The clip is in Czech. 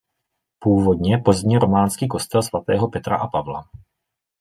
Původně pozdně románský kostel svatého Petra a Pavla.